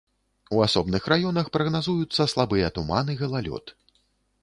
У асобных раёнах прагназуюцца слабыя туман і галалёд.